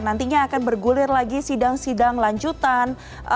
nantinya akan bergulir lagi sidang sidang lanjutan